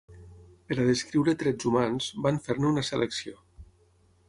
Per a descriure trets humans, van fer-ne una selecció.